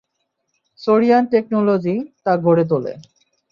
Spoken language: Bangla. সোরিয়ান টেকনোলজি, তা গড়ে তোলে।